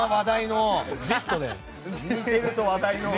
似ていると話題の。